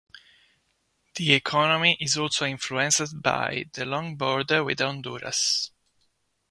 The economy is also influenced by the long border with Honduras.